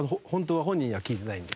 本人には聞いてないんで。